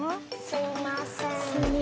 すみません。